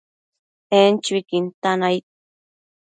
En chuiquin tan aid